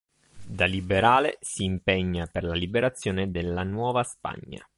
Da liberale, si impegna per la liberazione della Nuova Spagna.